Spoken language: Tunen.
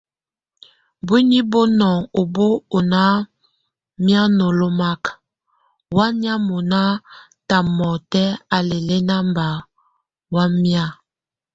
Búini bonɔŋ o bʼ ó na miaŋólomak, wamía mona ʼta ʼmɔtɛ a lɛ lɛna mba wamía.